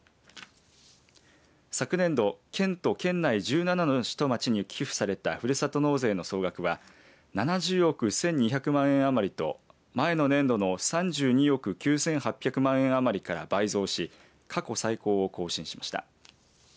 昨年度、県と県内１７の市と町に寄付されたふるさと納税の総額は７０億１２００万円余りと前の年度の３２億９８００万円余りから倍増し過去最高を更新しました。